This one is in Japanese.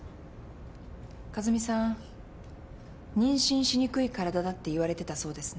和美さん妊娠しにくい体だって言われてたそうですね。